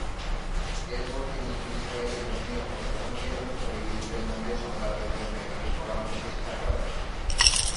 এরপর তিনি ইসরায়েলে ধর্মীয় ও ধর্মনিরপেক্ষ ইহুদিদের মধ্যে সংলাপের জন্য একটি ফোরাম প্রতিষ্ঠা করেন।